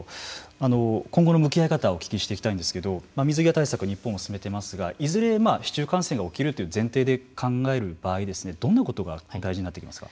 今後の向き合い方をお聞きしていきたいんですけれども水際対策を日本は進めていますけれどもいずれ市中感染が起きるという前提で考える場合どんなことが大事になってきますか。